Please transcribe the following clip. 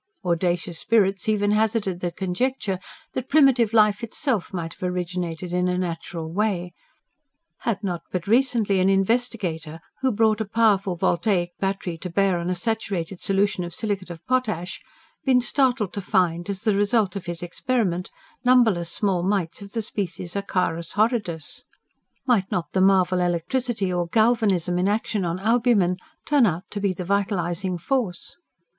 Audacious spirits even hazarded the conjecture that primitive life itself might have originated in a natural way: had not, but recently, an investigator who brought a powerful voltaic battery to bear on a saturated solution of silicate of potash, been startled to find, as the result of his experiment, numberless small mites of the species ACARUS HORRIDUS? Might not the marvel electricity or galvanism, in action on albumen, turn out to be the vitalising force?